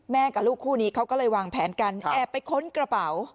กับลูกคู่นี้เขาก็เลยวางแผนกันแอบไปค้นกระเป๋า